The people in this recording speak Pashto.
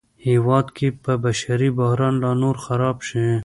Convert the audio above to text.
هېواد کې به بشري بحران لا نور خراب شي